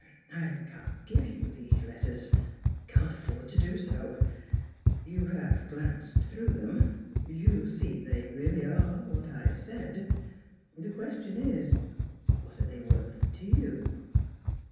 I can't give you these letters; can't afford to do so. You have glanced through them; you see they really are what I said. The question is, what are they worth to you?"